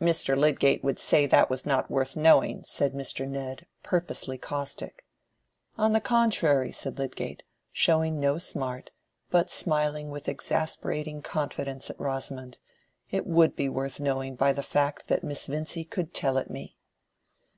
"Mr. Lydgate would say that was not worth knowing," said Mr. Ned, purposely caustic. "On the contrary," said Lydgate, showing no smart; but smiling with exasperating confidence at Rosamond. "It would be worth knowing by the fact that Miss Vincy could tell it me."